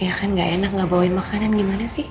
ya kan ga enak ga bawain makanan gimana sih